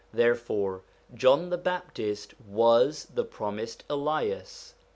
Therefore John the Baptist was the promised Elias.